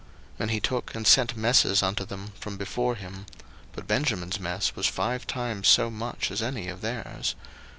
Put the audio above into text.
01:043:034 And he took and sent messes unto them from before him: but Benjamin's mess was five times so much as any of their's.